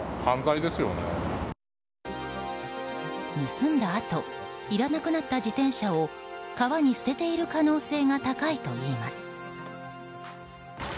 盗んだあといらなくなった自転車を川に捨てている可能性が高いといいます。